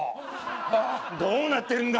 どうなってるんだ